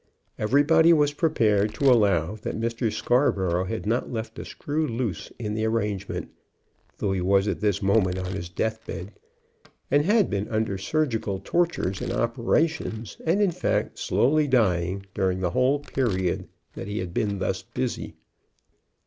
Everybody was prepared to allow that Mr. Scarborough had not left a screw loose in the arrangement, though he was this moment on his death bed, and had been under surgical tortures and operations, and, in fact, slowly dying, during the whole period that he had been thus busy.